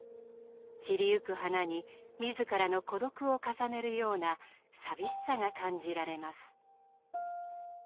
散りゆく花に自らの孤独を重ねるような寂しさが感じられます。